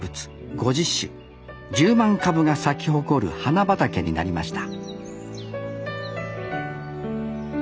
５０種１０万株が咲き誇る花畑になりました